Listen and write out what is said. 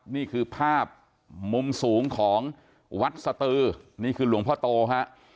นี่คือภาพมุมสูงของวัดสตือนี่คือหลวงพ่อโตฮะ